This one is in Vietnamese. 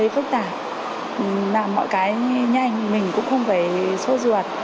không thấy phức tạp làm mọi cái nhanh mình cũng không phải sốt ruột